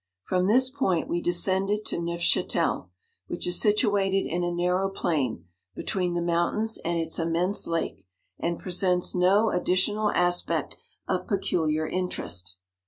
From this point we descended to Neufchatel, which is situated in a nar row plain, between the mountains and its immense lake, and presents no addi tional aspect of peculiar interest.